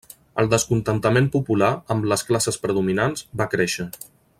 El descontentament popular amb les classes predominants va créixer.